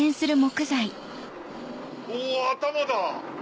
お頭だ！